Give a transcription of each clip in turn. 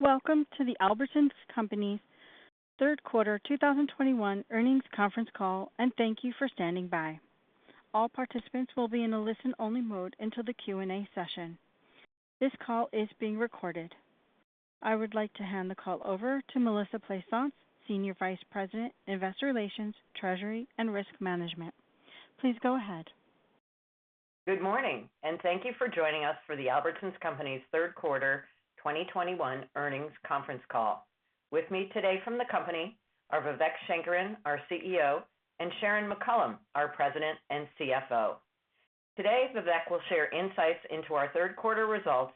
Welcome to the Albertsons Companies Q3 2021 Earnings Conference Call, and thank you for standing by. All participants will be in a listen-only mode until the Q&A session. This call is being recorded. I would like to hand the call over to Melissa Plaisance, Senior Vice President, Investor Relations, Treasury and Risk Management. Please go ahead. Good morning, and thank you for joining us for the Albertsons Companies Q3 2021 Earnings Conference Call. With me today from the company are Vivek Sankaran, our CEO, and Sharon McCollam, our President and CFO. Today, Vivek will share insights into our Q3 results,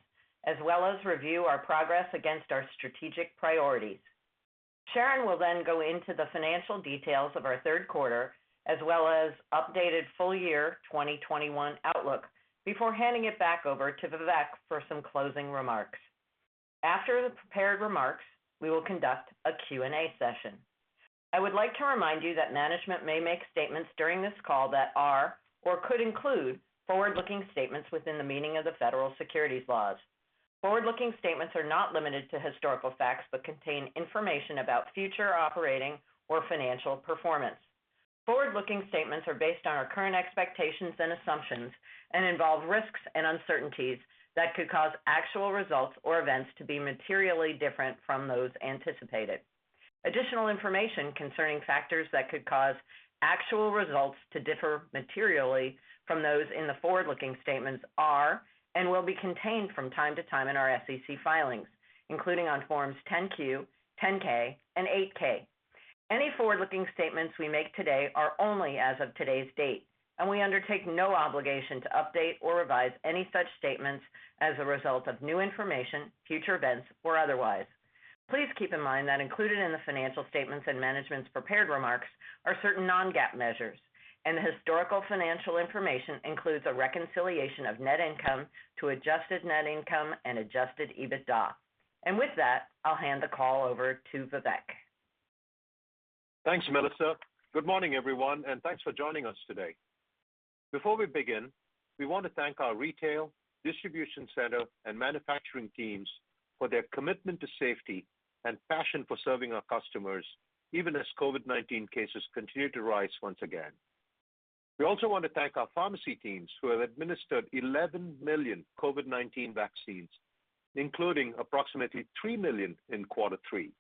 as well as review our progress against our strategic priorities. Sharon will then go into the financial details of our Q3, as well as updated full year 2021 outlook before handing it back over to Vivek for some closing remarks. After the prepared remarks, we will conduct a Q&A session. I would like to remind you that management may make statements during this call that are or could include forward-looking statements within the meaning of the federal securities laws. Forward-looking statements are not limited to historical facts, but contain information about future operating or financial performance. Forward-looking statements are based on our current expectations and assumptions and involve risks and uncertainties that could cause actual results or events to be materially different from those anticipated. Additional information concerning factors that could cause actual results to differ materially from those in the forward-looking statements are and will be contained from time to time in our SEC filings, including on forms 10-Q, 10-K, and 8-K. Any forward-looking statements we make today are only as of today's date, and we undertake no obligation to update or revise any such statements as a result of new information, future events, or otherwise. Please keep in mind that included in the financial statements and management's prepared remarks are certain non-GAAP measures, and the historical financial information includes a reconciliation of net income to adjusted net income and adjusted EBITDA. With that, I'll hand the call over to Vivek. Thanks, Melissa. Good morning, everyone, and thanks for joining us today. Before we begin, we want to thank our retail, distribution center, and manufacturing teams for their commitment to safety and passion for serving our customers, even as COVID-19 cases continue to rise once again. We also want to thank our pharmacy teams who have administered 11 million COVID-19 vaccines, including approximately 3 million in quarter three.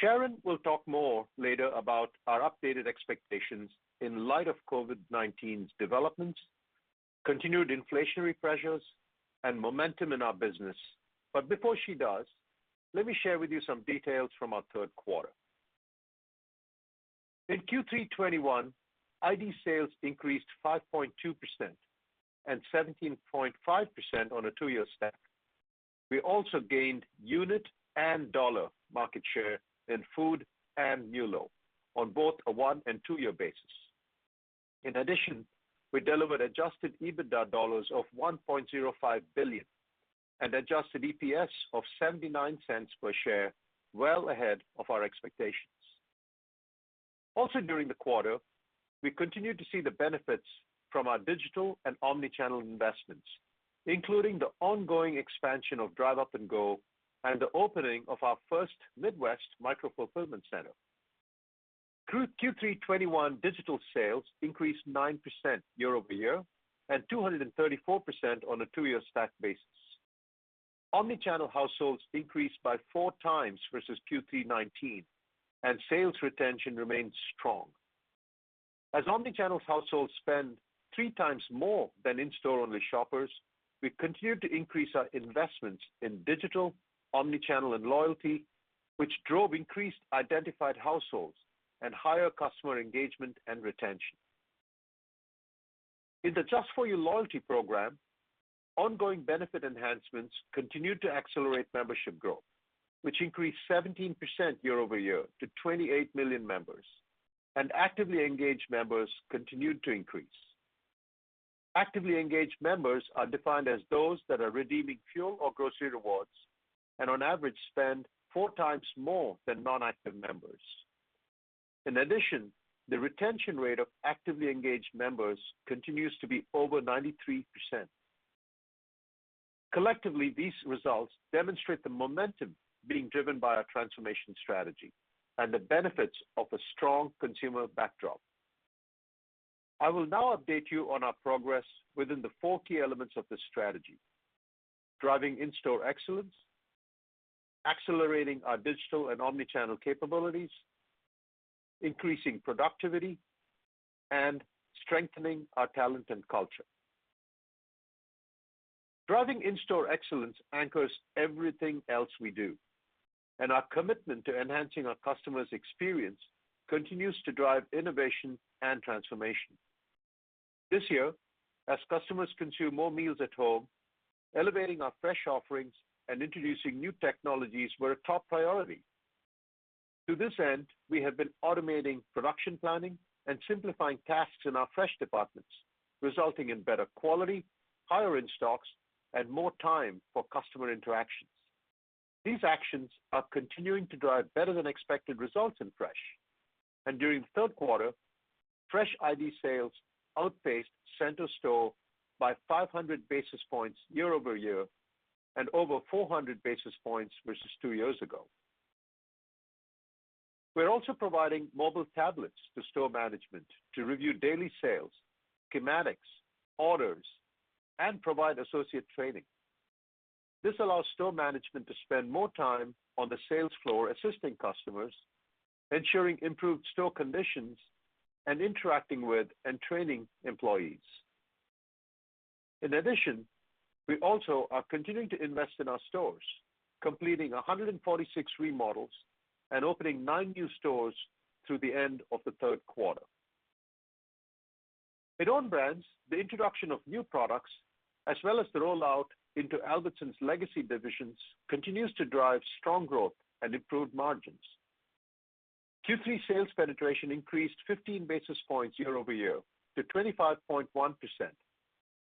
Sharon will talk more later about our updated expectations in light of COVID-19's developments, continued inflationary pressures, and momentum in our business. Before she does, let me share with you some details from our Q3. In Q3 2021, ID sales increased 5.2% and 17.5% on a two-year stack. We also gained unit and dollar market share in food and MULO on both a one- and two-year basis. In addition, we delivered adjusted EBITDA of $1.05 billion and adjusted EPS of $0.79 per share, well ahead of our expectations. Also, during the quarter, we continued to see the benefits from our digital and omnichannel investments, including the ongoing expansion of Drive Up & Go and the opening of our first Midwest micro-fulfillment center. Through Q3 2021, digital sales increased 9% year-over-year and 234% on a two-year stack basis. Omnichannel households increased by four times versus Q3 2019, and sales retention remains strong. As omnichannel households spend three times more than in-store only shoppers, we continue to increase our investments in digital, omnichannel, and loyalty, which drove increased identified households and higher customer engagement and retention. In the just for U loyalty program, ongoing benefit enhancements continued to accelerate membership growth, which increased 17% year-over-year to 28 million members, and actively engaged members continued to increase. Actively engaged members are defined as those that are redeeming fuel or grocery rewards and on average spend 4 times more than non-active members. In addition, the retention rate of actively engaged members continues to be over 93%. Collectively, these results demonstrate the momentum being driven by our transformation strategy and the benefits of a strong consumer backdrop. I will now update you on our progress within the four key elements of this strategy, driving in-store excellence, accelerating our digital and omnichannel capabilities, increasing productivity, and strengthening our talent and culture. Driving in-store excellence anchors everything else we do, and our commitment to enhancing our customer's experience continues to drive innovation and transformation. This year, as customers consume more meals at home, elevating our fresh offerings and introducing new technologies were a top priority. To this end, we have been automating production planning and simplifying tasks in our fresh departments, resulting in better quality, higher in-stocks, and more time for customer interactions. These actions are continuing to drive better than expected results in fresh. During the Q3, fresh ID sales outpaced center store by 500 basis points year-over-year and over 400 basis points versus two years ago. We're also providing mobile tablets to store management to review daily sales, schematics, orders, and provide associate training. This allows store management to spend more time on the sales floor assisting customers, ensuring improved store conditions, and interacting with and training employees. In addition, we also are continuing to invest in our stores, completing 146 remodels and opening nine new stores through the end of the Q3. In own brands, the introduction of new products, as well as the rollout into Albertsons legacy divisions, continues to drive strong growth and improved margins. Q3 sales penetration increased 15 basis points year-over-year to 25.1%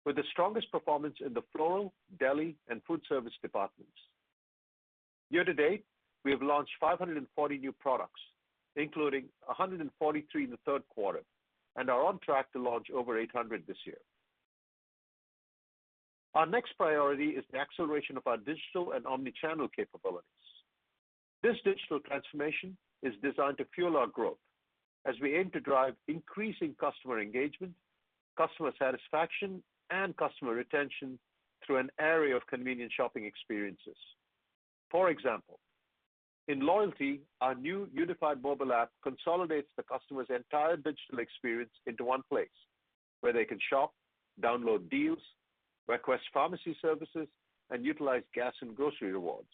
with the strongest performance in the floral, deli, and food service departments. Year-to-date, we have launched 540 new products, including 143 in the Q3, and are on track to launch over 800 this year. Our next priority is the acceleration of our digital and omni-channel capabilities. This digital transformation is designed to fuel our growth as we aim to drive increasing customer engagement, customer satisfaction, and customer retention through an array of convenient shopping experiences. For example, in loyalty, our new unified mobile app consolidates the customer's entire digital experience into one place where they can shop, download deals, request pharmacy services, and utilize gas and grocery rewards.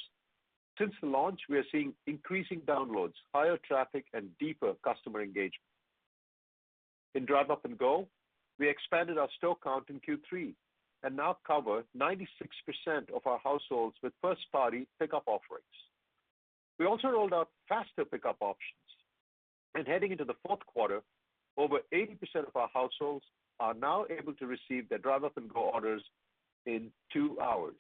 Since the launch, we are seeing increasing downloads, higher traffic, and deeper customer engagement. In Drive Up & Go, we expanded our store count in Q3 and now cover 96% of our households with first-party pickup offerings. We also rolled out faster pickup options, and heading into the Q4, over 80% of our households are now able to receive their Drive Up & Go orders in two hours.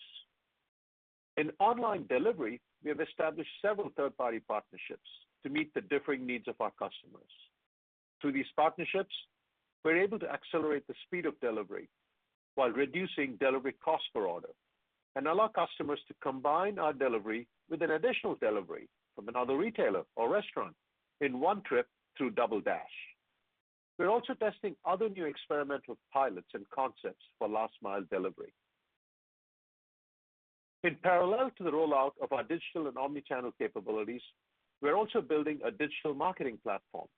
In online delivery, we have established several third-party partnerships to meet the differing needs of our customers. Through these partnerships, we're able to accelerate the speed of delivery while reducing delivery cost per order and allow customers to combine our delivery with an additional delivery from another retailer or restaurant in one trip through DoubleDash. We're also testing other new experimental pilots and concepts for last mile delivery. In parallel to the rollout of our digital and omni-channel capabilities, we're also building a digital marketing platform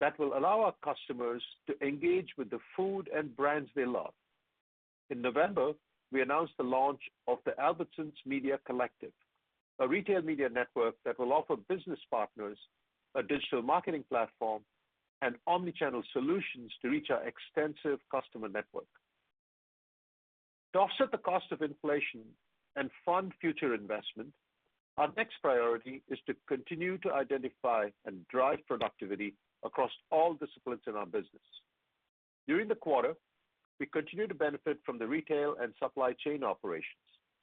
that will allow our customers to engage with the food and brands they love. In November, we announced the launch of the Albertsons Media Collective, a retail media network that will offer business partners a digital marketing platform and omni-channel solutions to reach our extensive customer network. To offset the cost of inflation and fund future investment, our next priority is to continue to identify and drive productivity across all disciplines in our business. During the quarter, we continued to benefit from the retail and supply chain operations,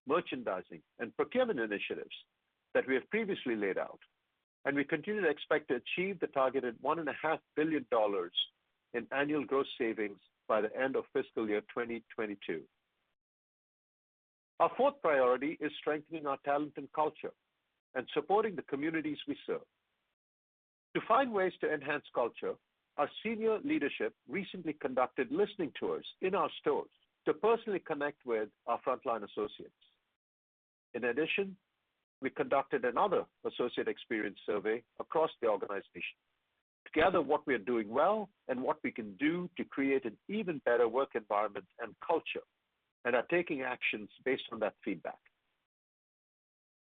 merchandising, and procurement initiatives that we have previously laid out, and we continue to expect to achieve the targeted $1.5 billion in annual gross savings by the end of fiscal year 2022. Our fourth priority is strengthening our talent and culture and supporting the communities we serve. To find ways to enhance culture, our senior leadership recently conducted listening tours in our stores to personally connect with our frontline associates. In addition, we conducted another associate experience survey across the organization to gather what we are doing well and what we can do to create an even better work environment and culture, and are taking actions based on that feedback.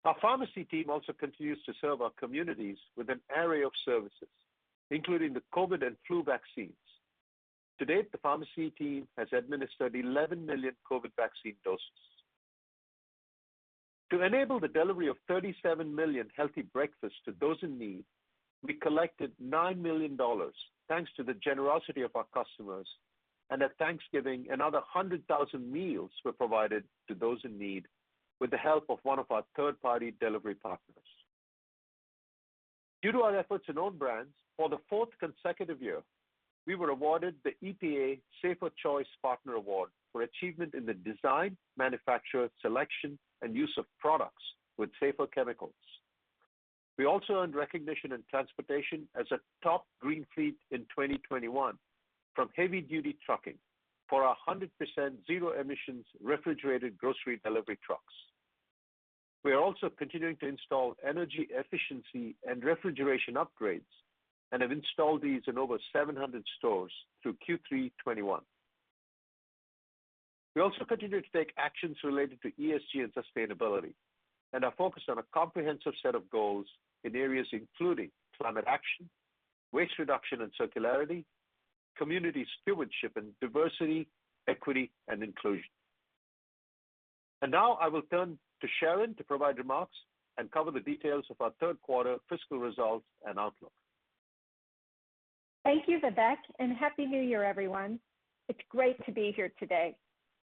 Our pharmacy team also continues to serve our communities with an array of services, including the COVID and flu vaccines. To date, the pharmacy team has administered 11 million COVID vaccine doses. To enable the delivery of 37 million healthy breakfasts to those in need, we collected $9 million, thanks to the generosity of our customers. At Thanksgiving, another 100,000 meals were provided to those in need with the help of one of our third-party delivery partners. Due to our efforts in own brands, for the fourth consecutive year, we were awarded the EPA Safer Choice Partner Award for achievement in the design, manufacture, selection, and use of products with safer chemicals. We also earned recognition in transportation as a top green fleet in 2021 from Heavy Duty Trucking for 100% zero emissions refrigerated grocery delivery trucks. We are also continuing to install energy efficiency and refrigeration upgrades and have installed these in over 700 stores through Q3 2021. We also continue to take actions related to ESG and sustainability and are focused on a comprehensive set of goals in areas including climate action, waste reduction and circularity, community stewardship, and diversity, equity, and inclusion. Now I will turn to Sharon to provide remarks and cover the details of our Q3 fiscal results and outlook. Thank you, Vivek, and happy New Year, everyone. It's great to be here today.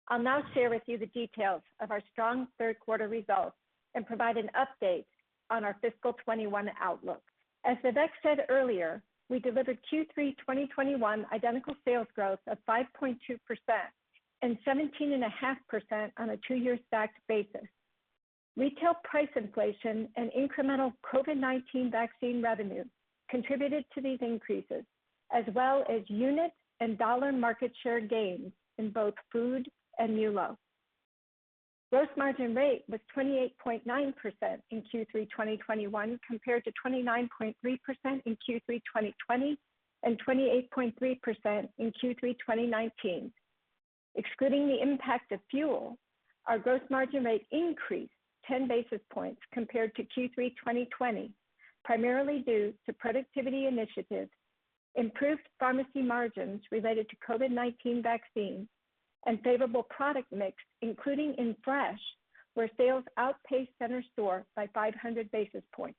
I'll now share with you the details of our strong Q3 results and provide an update on our fiscal 2021 outlook. As Vivek said earlier, we delivered Q3 2021 identical sales growth of 5.2% and 17.5% on a two-year stacked basis. Retail price inflation and incremental COVID-19 vaccine revenue contributed to these increases, as well as unit and dollar market share gains in both food and non-food. Gross margin rate was 28.9% in Q3 2021 compared to 29.3% in Q3 2020 and 28.3% in Q3 2019. Excluding the impact of fuel, our gross margin rate increased 10 basis points compared to Q3 2020, primarily due to productivity initiatives, improved pharmacy margins related to COVID-19 vaccines, and favorable product mix, including in fresh, where sales outpaced center store by 500 basis points.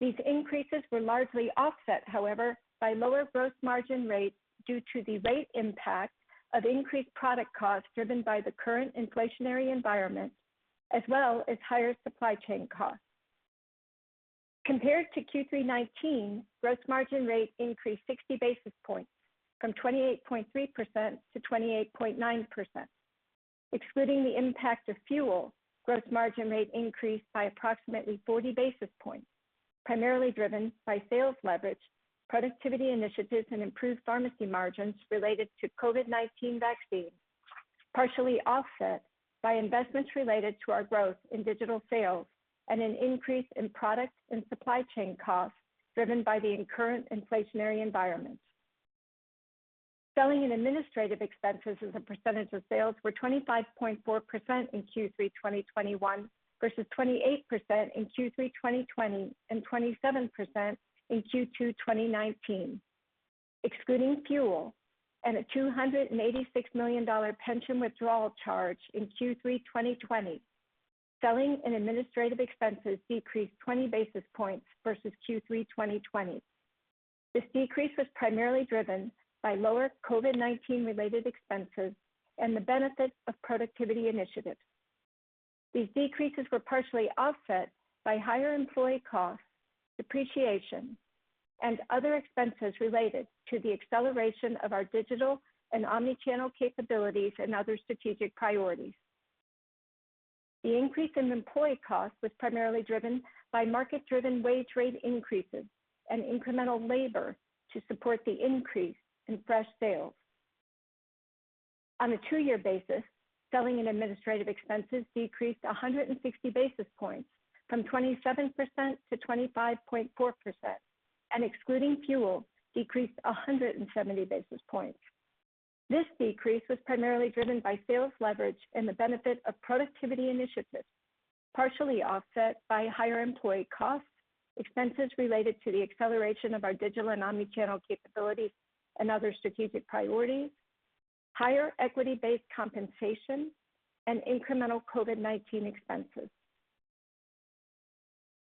These increases were largely offset, however, by lower gross margin rates due to the late impact of increased product costs driven by the current inflationary environment as well as higher supply chain costs. Compared to Q3 2019, gross margin rate increased 60 basis points from 28.3% to 28.9%. Excluding the impact of fuel, gross margin rate increased by approximately 40 basis points, primarily driven by sales leverage, productivity initiatives, and improved pharmacy margins related to COVID-19 vaccines, partially offset by investments related to our growth in digital sales and an increase in product and supply chain costs driven by the current inflationary environment. Selling and administrative expenses as a percentage of sales were 25.4% in Q3 2021 versus 28% in Q3 2020 and 27% in Q2 2019. Excluding fuel and a $286 million pension withdrawal charge in Q3 2020, selling and administrative expenses decreased 20 basis points versus Q3 2020. This decrease was primarily driven by lower COVID-19 related expenses and the benefits of productivity initiatives. These decreases were partially offset by higher employee costs, depreciation, and other expenses related to the acceleration of our digital and omni-channel capabilities and other strategic priorities. The increase in employee costs was primarily driven by market-driven wage rate increases and incremental labor to support the increase in fresh sales. On a two-year basis, selling and administrative expenses decreased 160 basis points from 27% to 25.4%, and excluding fuel, decreased 170 basis points. This decrease was primarily driven by sales leverage and the benefit of productivity initiatives, partially offset by higher employee costs, expenses related to the acceleration of our digital and omni-channel capabilities and other strategic priorities, higher equity-based compensation, and incremental COVID-19 expenses.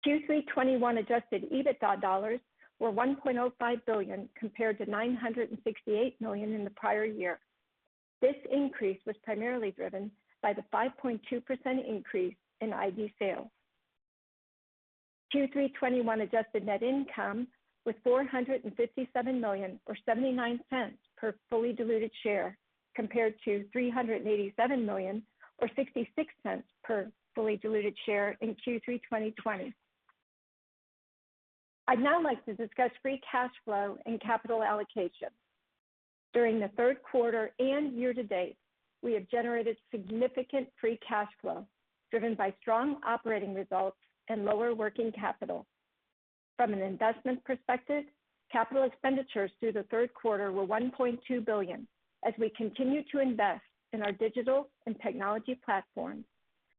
Q3 2021 adjusted EBITDA dollars were $1.05 billion compared to $968 million in the prior year. This increase was primarily driven by the 5.2% increase in ID sales. Q3 2021 adjusted net income was $457 million or $0.79 per fully diluted share, compared to $387 million or $0.66 per fully diluted share in Q3 2020. I'd now like to discuss free cash flow and capital allocation. During the Q3 and year to date, we have generated significant free cash flow driven by strong operating results and lower working capital. From an investment perspective, capital expenditures through the Q3 were $1.2 billion as we continued to invest in our digital and technology platforms,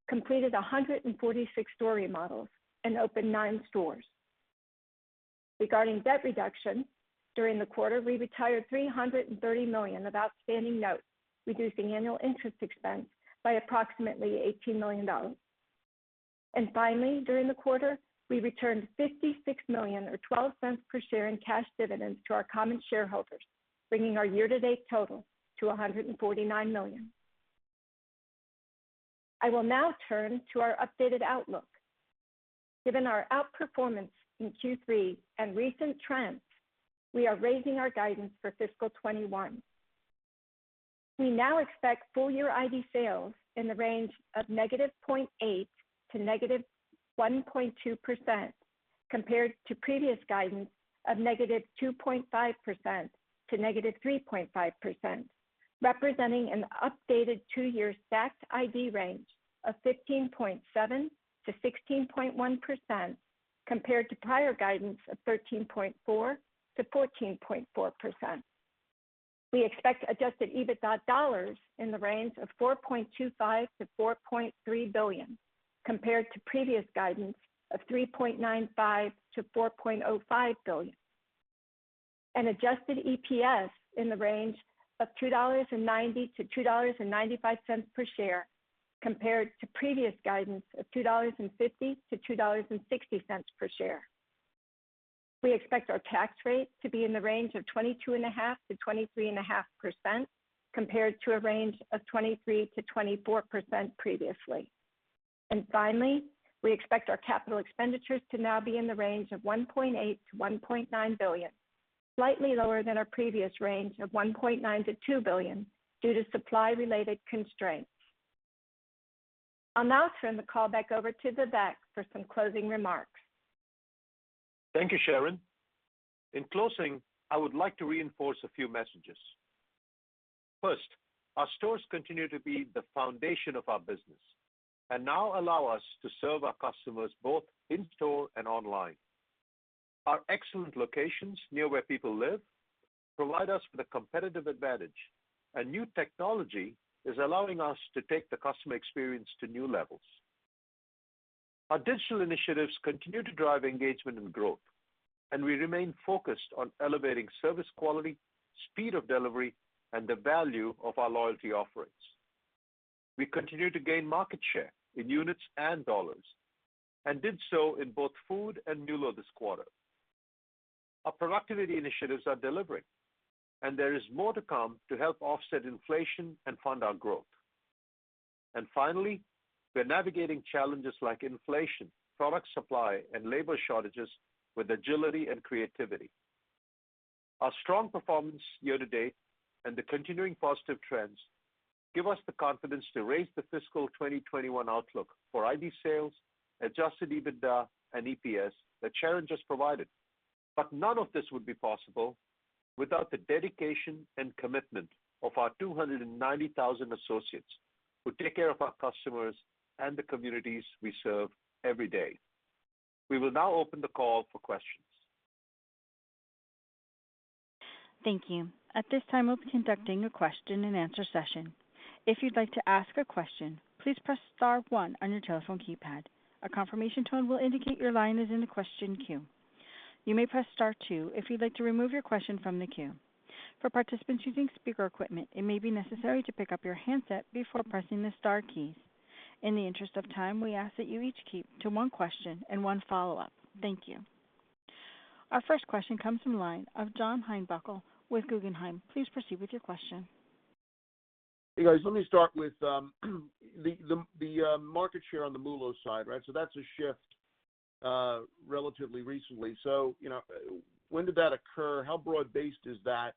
completed 146 store remodels and opened 9 stores. Regarding debt reduction, during the quarter, we retired $330 million of outstanding notes, reducing annual interest expense by approximately $18 million. Finally, during the quarter, we returned $56 million or $0.12 per share in cash dividends to our common shareholders, bringing our year-to-date total to $149 million. I will now turn to our updated outlook. Given our outperformance in Q3 and recent trends, we are raising our guidance for fiscal 2021. We now expect full year ID sales in the range of -0.8% to -1.2% compared to previous guidance of -2.5% to -3.5%, representing an updated two-year stacked ID range of 15.7% to 16.1% compared to prior guidance of 13.4% to 14.4%. We expect adjusted EBITDA dollars in the range of $4.25 billion to $4.3 billion, compared to previous guidance of $3.95 billion to $4.05 billion. An adjusted EPS in the range of $2.90 to $2.95 per share. Compared to previous guidance of $2.50 to $2.60 per share. We expect our tax rate to be in the range of 22.5% to 23.5% compared to a range of 23% to 24% previously. Finally, we expect our capital expenditures to now be in the range of $1.8 billion to $1.9 billion, slightly lower than our previous range of $1.9 billion to $2 billion due to supply-related constraints. I'll now turn the call back over to Vivek for some closing remarks. Thank you, Sharon. In closing, I would like to reinforce a few messages. First, our stores continue to be the foundation of our business and now allow us to serve our customers both in store and online. Our excellent locations near where people live provide us with a competitive advantage, and new technology is allowing us to take the customer experience to new levels. Our digital initiatives continue to drive engagement and growth, and we remain focused on elevating service quality, speed of delivery, and the value of our loyalty offerings. We continue to gain market share in units and dollars, and did so in both food and MULO this quarter. Our productivity initiatives are delivering, and there is more to come to help offset inflation and fund our growth. Finally, we're navigating challenges like inflation, product supply, and labor shortages with agility and creativity. Our strong performance year to date and the continuing positive trends give us the confidence to raise the fiscal 2021 outlook for ID sales, adjusted EBITDA and EPS that Sharon just provided. None of this would be possible without the dedication and commitment of our 290,000 associates who take care of our customers and the communities we serve every day. We will now open the call for questions. Thank you. At this time, we'll be conducting a question and answer session. If you'd like to ask a question, please press star one on your telephone keypad. A confirmation tone will indicate your line is in the question queue. You may press star two if you'd like to remove your question from the queue. For participants using speaker equipment, it may be necessary to pick up your handset before pressing the star keys. In the interest of time, we ask that you each keep to one question and one follow-up. Thank you. Our first question comes from the line of John Heinbockel with Guggenheim. Please proceed with your question. Hey, guys, let me start with the market share on the MULO side, right? That's a shift relatively recently. You know, when did that occur? How broad-based is that?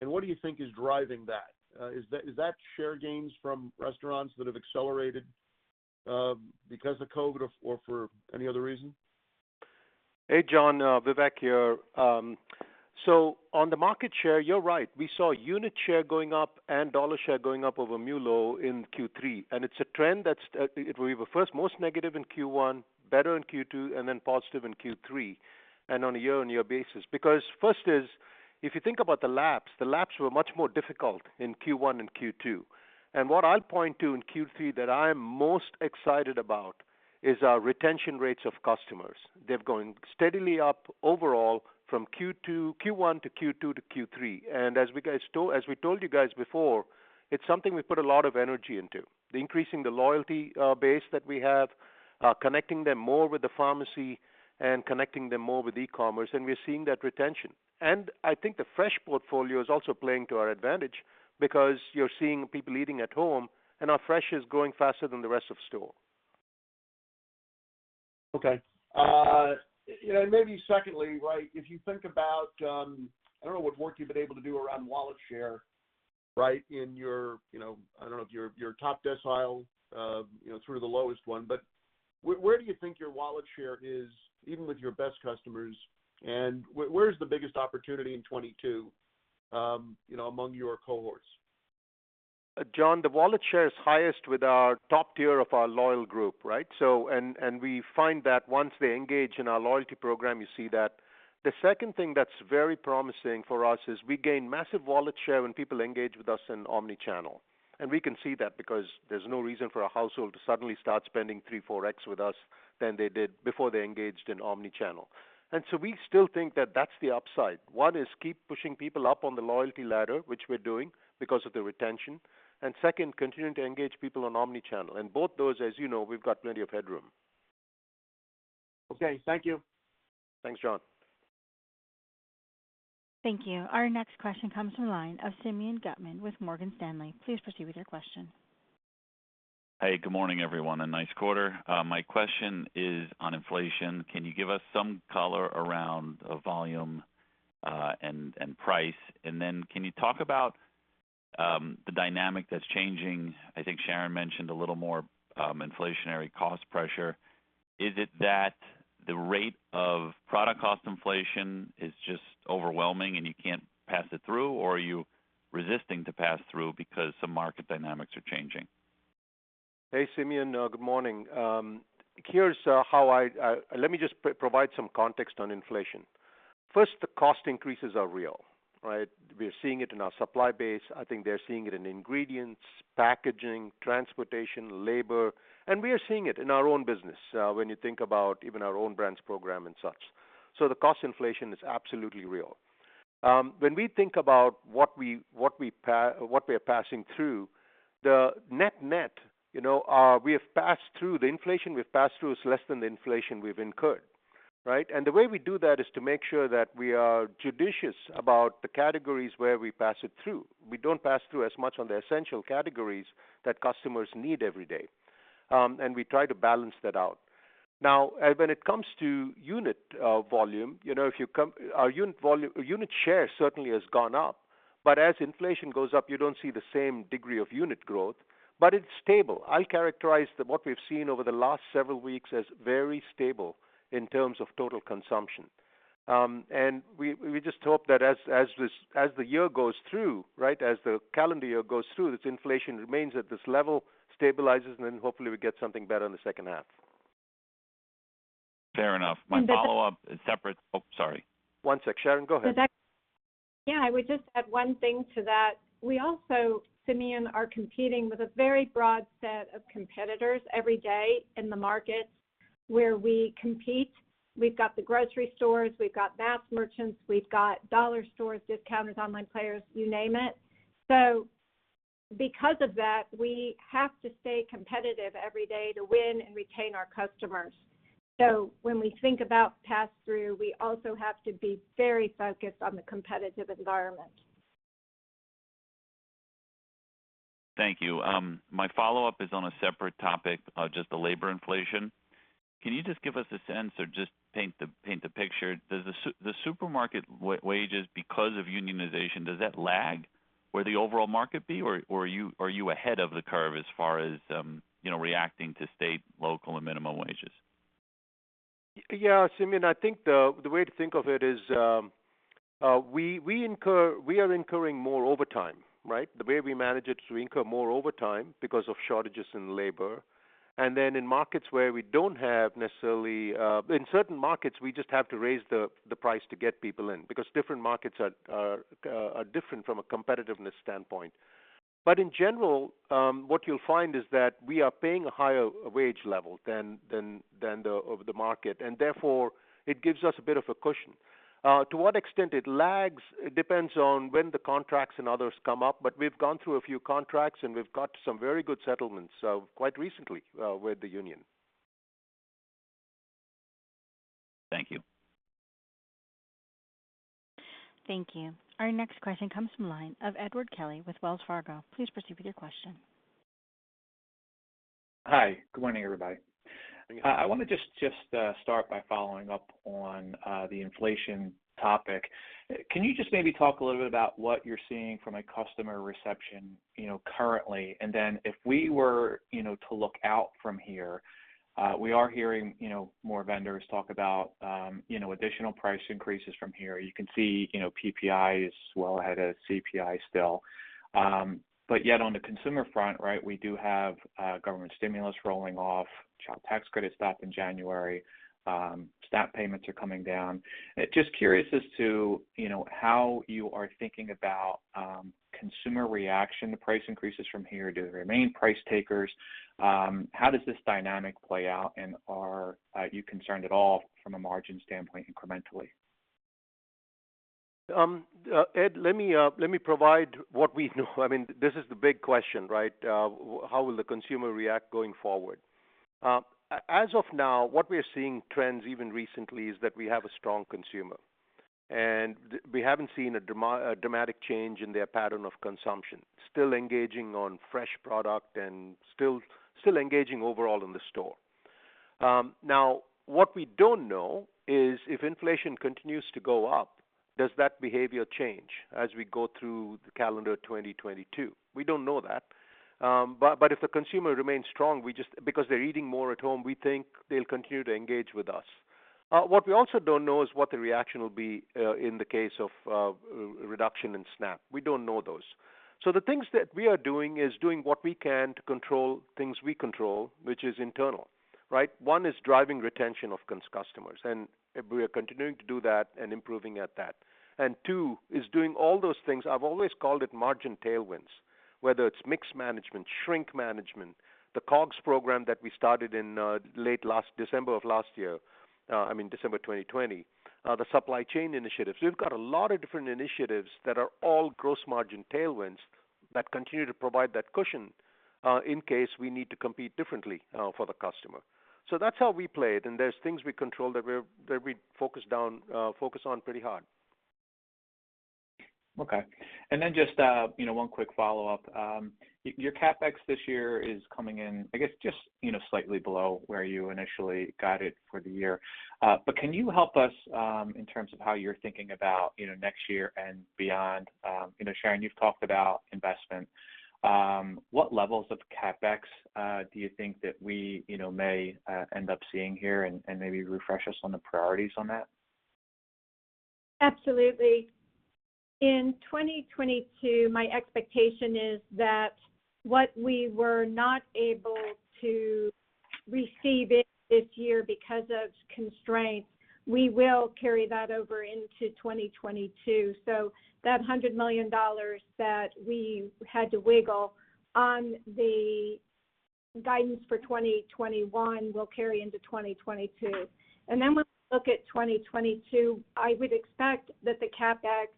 What do you think is driving that? Is that share gains from restaurants that have accelerated because of COVID or for any other reason? Hey, John Heinbockel, Vivek Sankaran here. On the market share, you're right. We saw unit share going up and dollar share going up over MULO in Q3. It's a trend that was first most negative in Q1, better in Q2, and then positive in Q3, on a year-on-year basis. Because first is, if you think about the laps, the laps were much more difficult in Q1 and Q2. What I'll point to in Q3 that I'm most excited about is our retention rates of customers. They're going steadily up overall from Q1 to Q2 to Q3. As we told you guys before, it's something we put a lot of energy into. Increasing the loyalty base that we have, connecting them more with the pharmacy and connecting them more with e-commerce, and we're seeing that retention. I think the fresh portfolio is also playing to our advantage because you're seeing people eating at home, and our fresh is growing faster than the rest of store. Okay. You know, maybe secondly, right, if you think about, I don't know what work you've been able to do around wallet share, right, in your, you know, I don't know if your top decile, you know, sort of the lowest one. Where do you think your wallet share is even with your best customers? Where is the biggest opportunity in 2022, you know, among your cohorts? John, the wallet share is highest with our top tier of our loyal group, right? We find that once they engage in our loyalty program, you see that. The second thing that's very promising for us is we gain massive wallet share when people engage with us in omni-channel. We can see that because there's no reason for a household to suddenly start spending 3-4x more than they did before they engaged in omni-channel. We still think that that's the upside. One is to keep pushing people up on the loyalty ladder, which we're doing because of the retention, and second, continuing to engage people on omni-channel. Both those, as you know, we've got plenty of headroom. Okay. Thank you. Thanks, John. Thank you. Our next question comes from the line of Simeon Gutman with Morgan Stanley. Please proceed with your question. Hey, good morning, everyone, and nice quarter. My question is on inflation. Can you give us some color around volume and price? Can you talk about the dynamic that's changing? I think Sharon mentioned a little more inflationary cost pressure. Is it that the rate of product cost inflation is just overwhelming and you can't pass it through, or are you resisting to pass through because some market dynamics are changing? Hey, Simeon, good morning. Let me just provide some context on inflation. First, the cost increases are real, right? We are seeing it in our supply base. I think they're seeing it in ingredients, packaging, transportation, labor. We are seeing it in our own business when you think about even our own brands program and such. The cost inflation is absolutely real. When we think about what we are passing through, the net-net, you know, the inflation we've passed through is less than the inflation we've incurred, right? The way we do that is to make sure that we are judicious about the categories where we pass it through. We don't pass through as much on the essential categories that customers need every day. We try to balance that out. Now, when it comes to unit volume, you know, our unit share certainly has gone up, but as inflation goes up, you don't see the same degree of unit growth, but it's stable. I characterize what we've seen over the last several weeks as very stable in terms of total consumption. We just hope that as this year goes through, right, as the calendar year goes through, this inflation remains at this level, stabilizes, and then hopefully we get something better in the second half. Fair enough. My follow-up is separate. Oh, sorry. One sec. Sharon, go ahead. Yeah, I would just add one thing to that. We also, Simeon, are competing with a very broad set of competitors every day in the markets where we compete. We've got the grocery stores, we've got mass merchants, we've got dollar stores, discounters, online players, you name it. Because of that, we have to stay competitive every day to win and retain our customers. When we think about pass-through, we also have to be very focused on the competitive environment. Thank you. My follow-up is on a separate topic, just the labor inflation. Can you just give us a sense or just paint the picture, does the supermarket wages because of unionization, does that lag where the overall market be, or are you ahead of the curve as far as, you know, reacting to state, local, and minimum wages? Yeah, Simeon, I think the way to think of it is, we are incurring more overtime, right? The way we manage it is we incur more overtime because of shortages in labor. In certain markets, we just have to raise the price to get people in because different markets are different from a competitiveness standpoint. In general, what you'll find is that we are paying a higher wage level than the market, and therefore it gives us a bit of a cushion. To what extent it lags depends on when the contracts and others come up, but we've gone through a few contracts, and we've got some very good settlements, quite recently, with the union. Thank you. Thank you. Our next question comes from the line of Edward Kelly with Wells Fargo. Please proceed with your question. Hi, good morning, everybody. Good morning. I wanna just start by following up on the inflation topic. Can you just maybe talk a little bit about what you're seeing from a customer reception, you know, currently? Then if we were, you know, to look out from here, we are hearing, you know, more vendors talk about, you know, additional price increases from here. You can see, you know, PPI is well ahead of CPI still. Yet on the consumer front, right, we do have government stimulus rolling off, child tax credit stopped in January, SNAP payments are coming down. Just curious as to, you know, how you are thinking about consumer reaction to price increases from here. Do they remain price takers? How does this dynamic play out, and are you concerned at all from a margin standpoint incrementally? Ed, let me provide what we know. I mean, this is the big question, right? How will the consumer react going forward? As of now, what we are seeing trends even recently is that we have a strong consumer, and we haven't seen a dramatic change in their pattern of consumption. Still engaging on fresh product and still engaging overall in the store. Now what we don't know is if inflation continues to go up, does that behavior change as we go through the calendar 2022? We don't know that. But if the consumer remains strong, because they're eating more at home, we think they'll continue to engage with us. What we also don't know is what the reaction will be in the case of reduction in SNAP. We don't know those. The things that we are doing is doing what we can to control things we control, which is internal, right? One is driving retention of customers, and we are continuing to do that and improving at that. Two is doing all those things, I've always called it margin tailwinds, whether it's mix management, shrink management, the COGS program that we started in late last December of last year, I mean, December 2020. The supply chain initiatives. We've got a lot of different initiatives that are all gross margin tailwinds that continue to provide that cushion in case we need to compete differently for the customer. That's how we play it, and there's things we control that we focus on pretty hard. Okay. Then just, you know, one quick follow-up. Your CapEx this year is coming in, I guess just, you know, slightly below where you initially guided for the year. But can you help us, in terms of how you're thinking about, you know, next year and beyond? You know, Sharon, you've talked about investment. What levels of CapEx, do you think that we, you know, may, end up seeing here, and maybe refresh us on the priorities on that? Absolutely. In 2022, my expectation is that what we were not able to receive it this year because of constraints, we will carry that over into 2022. That $100 million that we had to forgo in the guidance for 2021 will carry into 2022. When we look at 2022, I would expect that the CapEx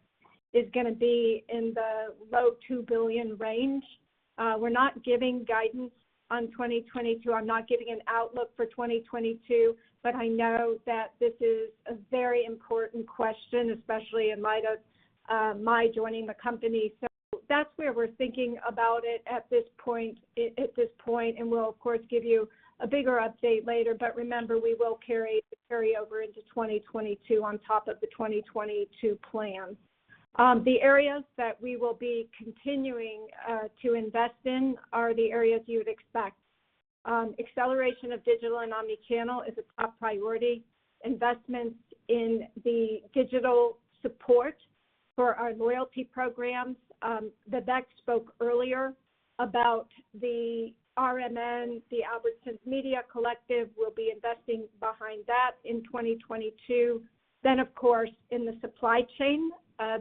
is gonna be in the low $2 billion range. We're not giving guidance on 2022. I'm not giving an outlook for 2022, but I know that this is a very important question, especially in light of my joining the company. That's where we're thinking about it at this point, and we'll of course give you a bigger update later. Remember, we will carry over into 2022 on top of the 2022 plan. The areas that we will be continuing to invest in are the areas you would expect. Acceleration of digital and omni-channel is a top priority. Investments in the digital support for our loyalty programs. Vivek spoke earlier about the RMN. The Albertsons Media Collective will be investing behind that in 2022. Of course, in the supply chain,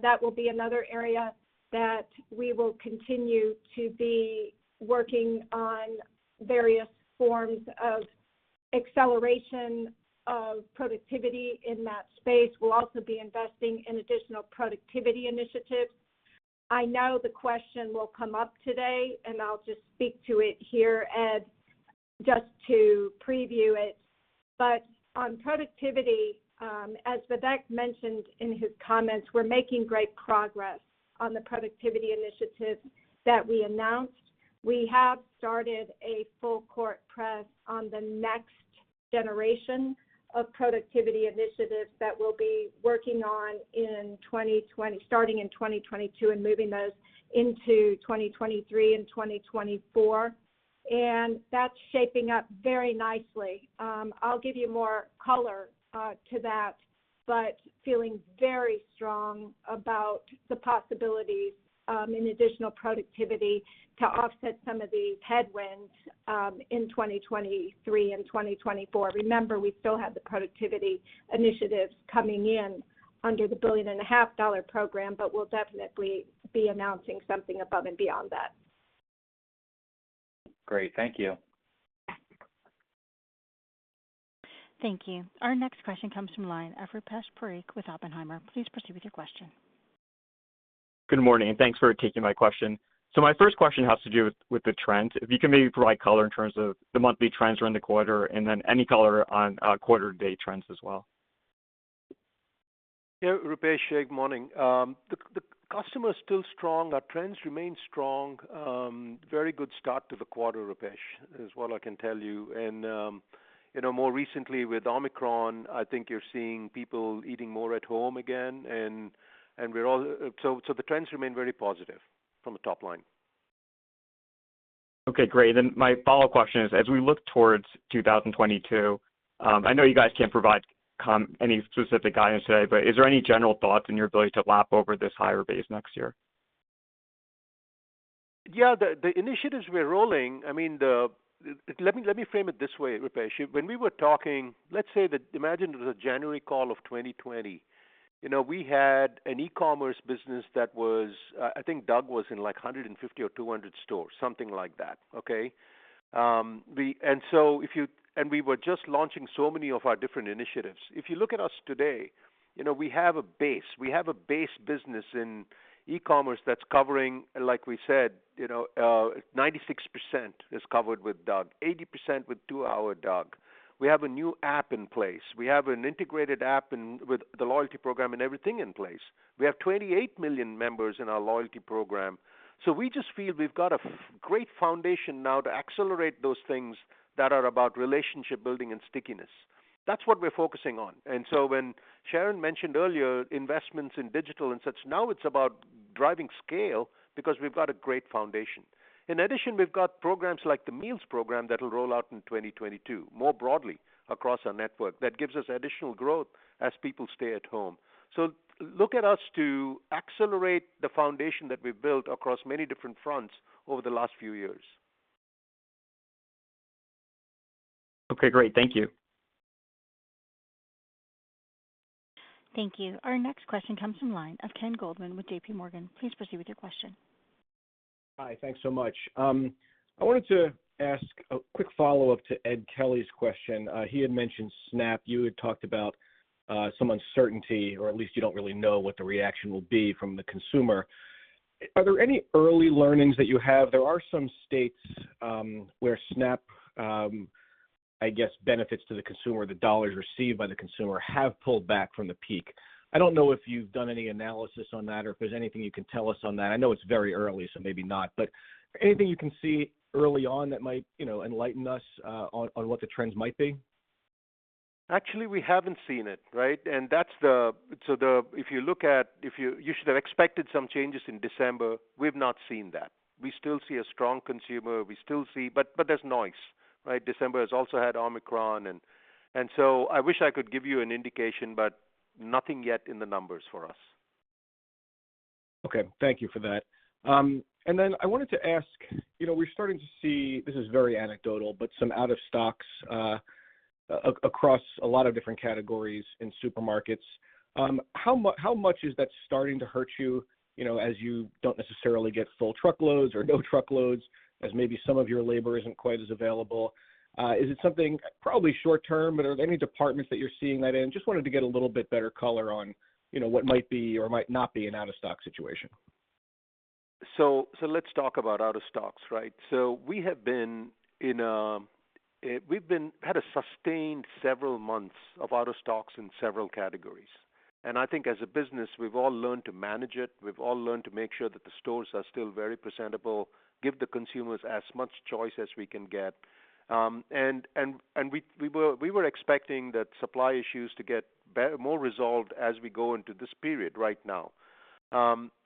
that will be another area that we will continue to be working on various forms of acceleration of productivity in that space. We'll also be investing in additional productivity initiatives. I know the question will come up today, and I'll just speak to it here, Edward, just to preview it. On productivity, as Vivek mentioned in his comments, we're making great progress on the productivity initiatives that we announced. We have started a full court press on the next generation of productivity initiatives that we'll be working on starting in 2022 and moving those into 2023 and 2024. That's shaping up very nicely. I'll give you more color to that, but feeling very strong about the possibilities in additional productivity to offset some of these headwinds in 2023 and 2024. Remember, we still have the productivity initiatives coming in under the billion and a half dollar program, but we'll definitely be announcing something above and beyond that. Great. Thank you. Thank you. Our next question comes from the line of Rupesh Parikh with Oppenheimer. Please proceed with your question. Good morning, and thanks for taking my question. My first question has to do with the trends. If you can maybe provide color in terms of the monthly trends during the quarter, and then any color on quarter-to-date trends as well. Yeah, Rupesh, good morning. The customer is still strong. Our trends remain strong. Very good start to the quarter, Rupesh, is what I can tell you. You know, more recently with Omicron, I think you're seeing people eating more at home again. The trends remain very positive from the top line. Okay, great. My follow question is, as we look towards 2022, I know you guys can't provide any specific guidance today, but is there any general thoughts on your ability to lap over this higher base next year? Yeah. The initiatives we're rolling, I mean, let me frame it this way, Rupesh. When we were talking, let's say that imagine it was a January call of 2020. You know, we had an e-commerce business that was, I think DUG was in, like, 150 or 200 stores, something like that. Okay? We were just launching so many of our different initiatives. If you look at us today, you know, we have a base. We have a base business in e-commerce that's covering, like we said, you know, 96% is covered with DUG, 80% with two-hour DUG. We have a new app in place. We have an integrated app and with the loyalty program and everything in place. We have 28 million members in our loyalty program. We just feel we've got a great foundation now to accelerate those things that are about relationship building and stickiness. That's what we're focusing on. When Sharon mentioned earlier investments in digital and such, now it's about driving scale because we've got a great foundation. In addition, we've got programs like the Meals program that will roll out in 2022 more broadly across our network. That gives us additional growth as people stay at home. Look at us to accelerate the foundation that we've built across many different fronts over the last few years. Okay, great. Thank you. Thank you. Our next question comes from line of Ken Goldman with J.P. Morgan. Please proceed with your question. Hi. Thanks so much. I wanted to ask a quick follow-up to Edward Kelly's question. He had mentioned SNAP. You had talked about some uncertainty or at least you don't really know what the reaction will be from the consumer. Are there any early learnings that you have? There are some states where SNAP, I guess, benefits to the consumer, the dollars received by the consumer have pulled back from the peak. I don't know if you've done any analysis on that or if there's anything you can tell us on that. I know it's very early, so maybe not. But anything you can see early on that might, you know, enlighten us on what the trends might be? Actually, we haven't seen it, right? If you look at, you should have expected some changes in December. We've not seen that. We still see a strong consumer. There's noise, right? December has also had Omicron and so I wish I could give you an indication, but nothing yet in the numbers for us. Okay. Thank you for that. I wanted to ask, you know, we're starting to see, this is very anecdotal, but some out of stocks. Across a lot of different categories in supermarkets. How much is that starting to hurt you know, as you don't necessarily get full truckloads or no truckloads as maybe some of your labor isn't quite as available? Is it something probably short term, but are there any departments that you're seeing that in? Just wanted to get a little bit better color on, you know, what might be or might not be an out-of-stock situation. Let's talk about out of stocks, right? We have had a sustained several months of out of stocks in several categories. I think as a business, we've all learned to manage it. We've all learned to make sure that the stores are still very presentable, give the consumers as much choice as we can get. We were expecting that supply issues to be more resolved as we go into this period right now.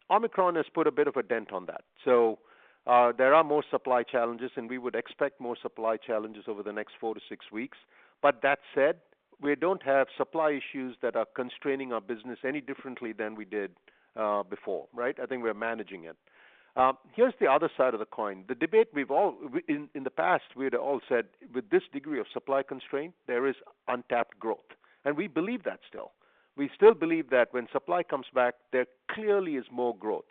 Omicron has put a bit of a dent on that. There are more supply challenges, and we would expect more supply challenges over the next 4-6 weeks. That said, we don't have supply issues that are constraining our business any differently than we did before, right? I think we are managing it. Here's the other side of the coin. The debate we've all been in the past, we'd all said with this degree of supply constraint, there is untapped growth. We believe that still. We still believe that when supply comes back, there clearly is more growth.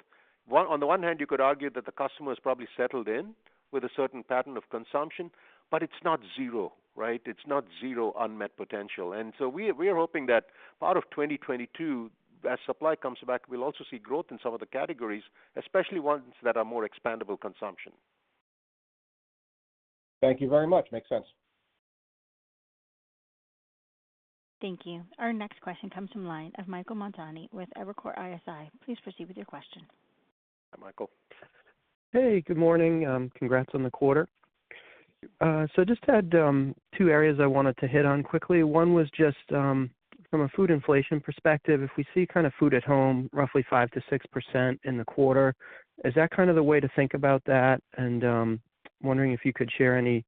On the one hand, you could argue that the customer is probably settled in with a certain pattern of consumption, but it's not zero, right? It's not zero unmet potential. We are hoping that part of 2022, as supply comes back, we'll also see growth in some of the categories, especially ones that are more expandable consumption. Thank you very much. Makes sense. Thank you. Our next question comes from the line of Michael Montani with Evercore ISI. Please proceed with your question. Hi, Michael. Hey, good morning. Congrats on the quarter. Just had two areas I wanted to hit on quickly. One was just from a food inflation perspective, if we see kind of food at home, roughly 5% to 6% in the quarter, is that kind of the way to think about that? Wondering if you could share any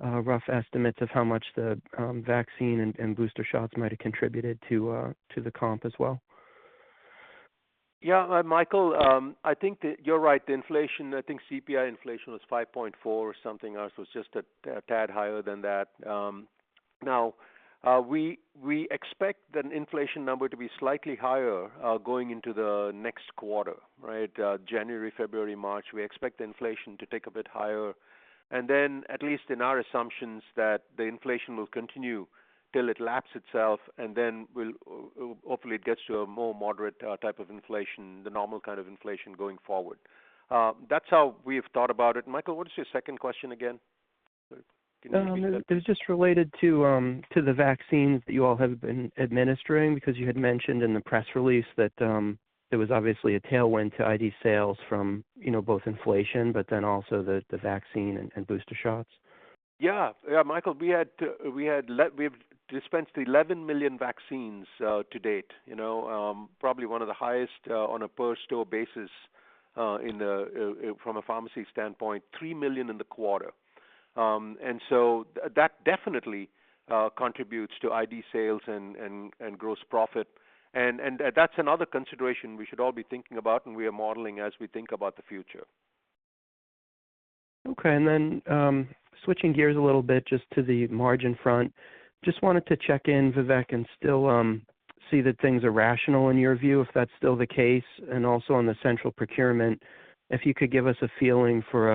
rough estimates of how much the vaccine and booster shots might have contributed to the comp as well. Yeah. Michael, I think that you're right. The inflation, I think CPI inflation was 5.4% or something else. It was just a tad higher than that. Now, we expect an inflation number to be slightly higher going into the next quarter, right? January, February, March, we expect inflation to tick a bit higher. Then at least in our assumptions, the inflation will continue till it laps itself, and then hopefully it gets to a more moderate type of inflation, the normal kind of inflation going forward. That's how we've thought about it. Michael, what is your second question again? Sorry. Can you repeat that? No, no. It was just related to the vaccines that you all have been administering, because you had mentioned in the press release that there was obviously a tailwind to ID sales from, you know, both inflation, but then also the vaccine and booster shots. Yeah. Yeah, Michael, we've dispensed 11 million vaccines to date, you know. Probably one of the highest on a per store basis in the U.S. from a pharmacy standpoint, 3 million in the quarter. That definitely contributes to ID sales and gross profit. That's another consideration we should all be thinking about, and we are modeling as we think about the future. Okay. Switching gears a little bit just to the margin front, just wanted to check in, Vivek, and still see that things are rational in your view, if that's still the case, and also on the central procurement, if you could give us a feeling for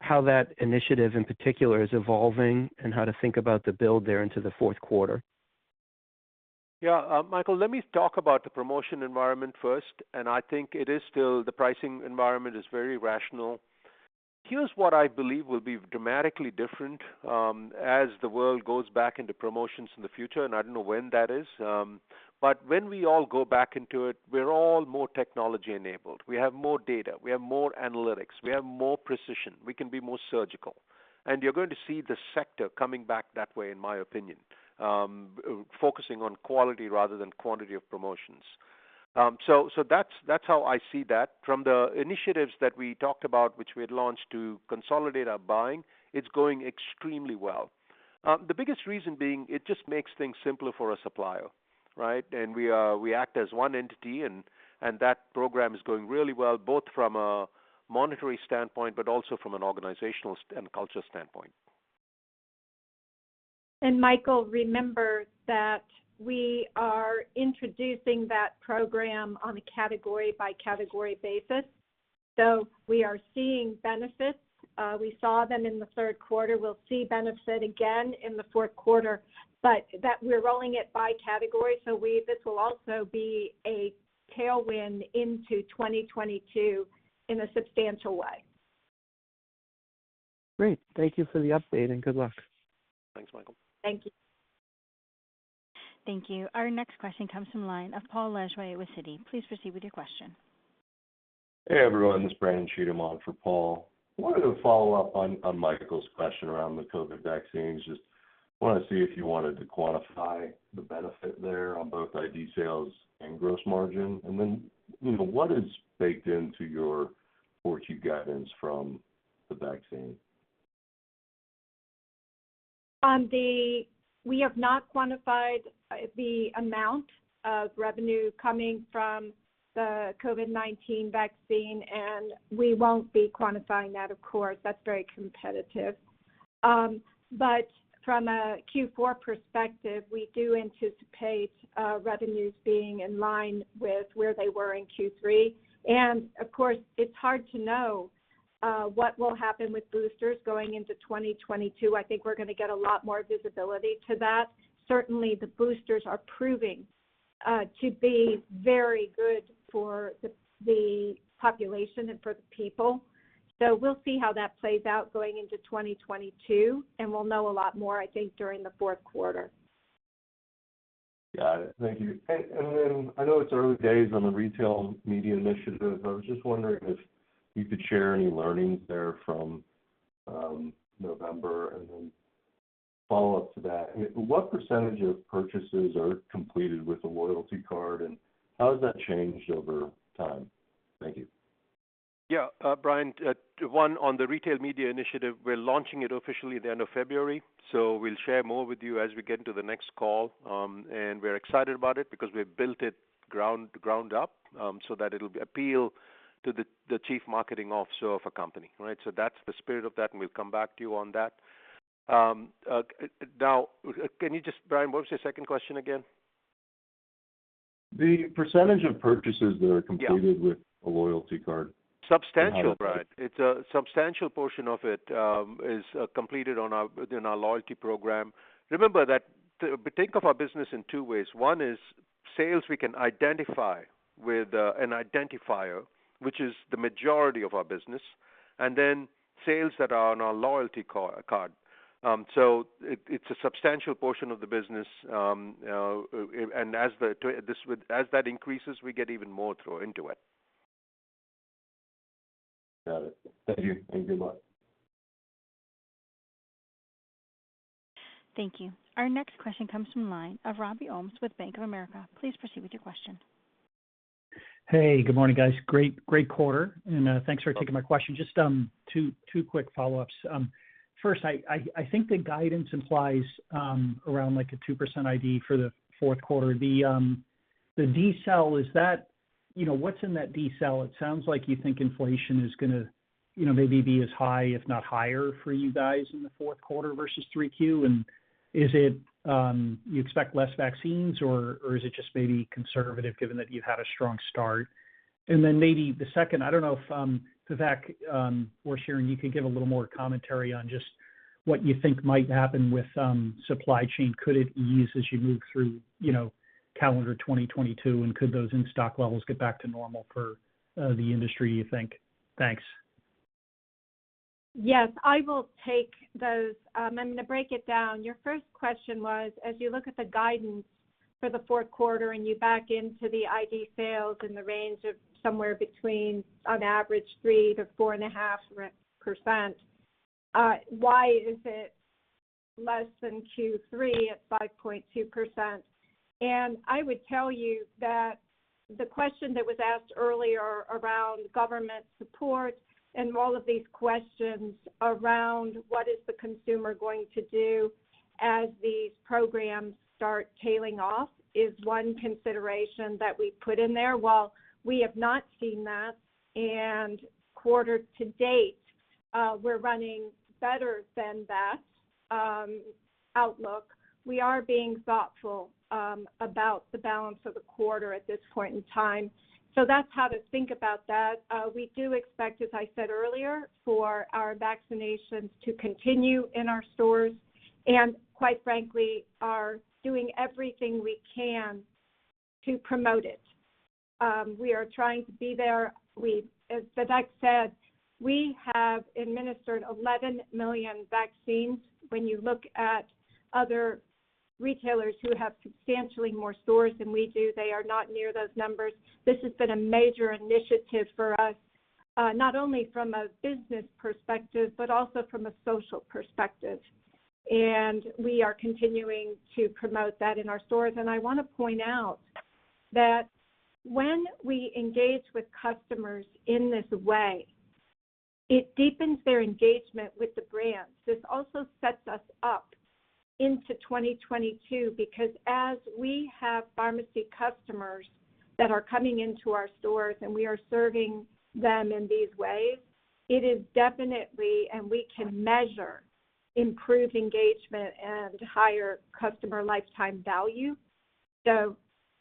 how that initiative in particular is evolving and how to think about the build there into the Q4. Yeah. Michael, let me talk about the promotion environment first, and I think the pricing environment is still very rational. Here's what I believe will be dramatically different, as the world goes back into promotions in the future, and I don't know when that is. When we all go back into it, we're all more technology enabled. We have more data. We have more analytics. We have more precision. We can be more surgical. You're going to see the sector coming back that way, in my opinion, focusing on quality rather than quantity of promotions. That's how I see that. From the initiatives that we talked about, which we had launched to consolidate our buying, it's going extremely well. The biggest reason being it just makes things simpler for a supplier, right? We act as one entity, and that program is going really well, both from a monetary standpoint, but also from an organizational and culture standpoint. Michael, remember that we are introducing that program on a category by category basis. We are seeing benefits. We saw them in the Q3. We'll see benefit again in the Q4. That we're rolling it by category, this will also be a tailwind into 2022 in a substantial way. Great. Thank you for the update and good luck. Thanks, Michael. Thank you. Thank you. Our next question comes from the line of Paul Lejuez with Citi. Please proceed with your question. Hey, everyone. This is Brandon Cheatham on for Paul. Wanted to follow up on Michael's question around the COVID vaccines. Just wanna see if you wanted to quantify the benefit there on both ID sales and gross margin. You know, what is baked into your Q4 guidance from the vaccine? We have not quantified the amount of revenue coming from the COVID-19 vaccine, and we won't be quantifying that, of course. That's very competitive. But from a Q4 perspective, we do anticipate revenues being in line with where they were in Q3. Of course, it's hard to know what will happen with boosters going into 2022. I think we're gonna get a lot more visibility to that. Certainly, the boosters are proving to be very good for the population and for the people. We'll see how that plays out going into 2022, and we'll know a lot more, I think, during the Q4. Got it. Thank you. I know it's early days on the retail media initiative. I was just wondering if you could share any learnings there from November, and then follow-up to that. What percentage of purchases are completed with the loyalty card, and how has that changed over time? Thank you. Yeah. Brian, one, on the retail media initiative, we're launching it officially at the end of February, so we'll share more with you as we get into the next call. We're excited about it because we have built it ground up, so that it'll appeal to the chief marketing officer of a company, right? That's the spirit of that, and we'll come back to you on that. Brian, what was your second question again? The percentage of purchases that are completed. Yeah. with a loyalty card. Substantial, Brian. It's a substantial portion of it, is completed within our loyalty program. Remember that. Think of our business in two ways. One is sales we can identify with an identifier, which is the majority of our business, and then sales that are on our loyalty card. It's a substantial portion of the business. As that increases, we get even more throw into it. Got it. Thank you. Thank you very much. Thank you. Our next question comes from the line of Robert Ohmes with Bank of America. Please proceed with your question. Hey, good morning, guys. Great quarter. Thanks for taking my question. Just two quick follow-ups. First, I think the guidance implies around like 2% ID for the Q4. The decel is that. You know, what's in that decel? It sounds like you think inflation is gonna, you know, maybe be as high if not higher for you guys in the Q4 versus 3Q. Is it you expect less vaccines or is it just maybe conservative given that you've had a strong start? Then maybe the second, I don't know if Vivek or Sharon, you could give a little more commentary on just what you think might happen with supply chain. Could it ease as you move through, you know, calendar 2022, and could those in-stock levels get back to normal for the industry you think? Thanks. Yes, I will take those. I'm gonna break it down. Your first question was, as you look at the guidance for the Q4 and you back into the ID sales in the range of somewhere between on average 3% to 4.5%, why is it less than Q3 at 5.2%? I would tell you that the question that was asked earlier around government support and all of these questions around what is the consumer going to do as these programs start tailing off is one consideration that we put in there. While we have not seen that, and quarter to date, we're running better than that outlook, we are being thoughtful about the balance of the quarter at this point in time. That's how to think about that. We do expect, as I said earlier, for our vaccinations to continue in our stores and quite frankly, are doing everything we can to promote it. We are trying to be there. As Vivek said, we have administered 11 million vaccines. When you look at other retailers who have substantially more stores than we do, they are not near those numbers. This has been a major initiative for us, not only from a business perspective but also from a social perspective. We are continuing to promote that in our stores. I wanna point out that when we engage with customers in this way, it deepens their engagement with the brands. This also sets us up into 2022 because as we have pharmacy customers that are coming into our stores and we are serving them in these ways, it is definitely, and we can measure improved engagement and higher customer lifetime value.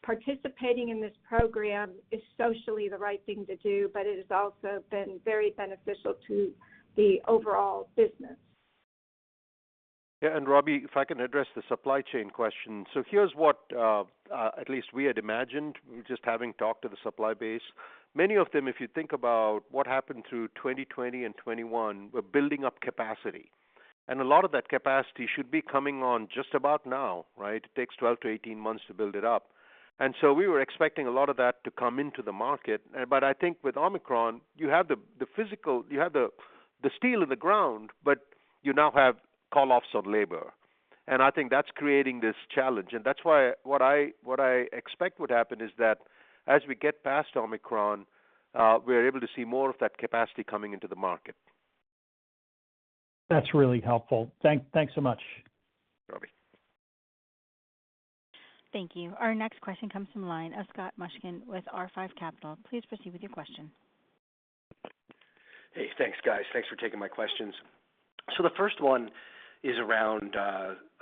Participating in this program is socially the right thing to do, but it has also been very beneficial to the overall business. Yeah. Robbie, if I can address the supply chain question. Here's what at least we had imagined just having talked to the supply base. Many of them, if you think about what happened through 2020 and 2021, were building up capacity. A lot of that capacity should be coming on just about now, right? It takes 12-18 months to build it up. We were expecting a lot of that to come into the market. I think with Omicron, you have the physical, you have the steel in the ground, but you now have call-offs of labor. I think that's creating this challenge. That's why what I expect would happen is that as we get past Omicron, we're able to see more of that capacity coming into the market. That's really helpful. Thanks so much. Robbie, thank you. Our next question comes from the line of Scott Mushkin with R5 Capital. Please proceed with your question. Hey, thanks, guys. Thanks for taking my questions. The first one is around